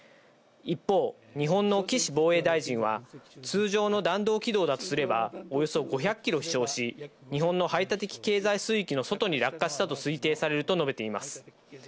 一方、日本の岸防衛大臣は、通常の弾道軌道だとすればおよそ５００キロ飛しょうし、日本の排他的経済水域の外に落下したと推定されると述べています。